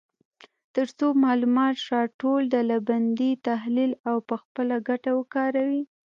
تر څو معلومات راټول، ډلبندي، تحلیل او په خپله ګټه وکاروي.